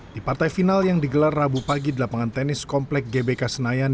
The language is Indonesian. di partai final yang digelar rabu pagi di lapangan tenis komplek gbk senayan